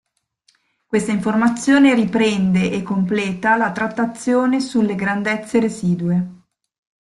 Questa informazione riprende e completa la trattazione sulle grandezze residue.